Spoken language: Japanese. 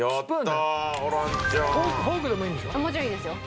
フォークでもいいんでしょ？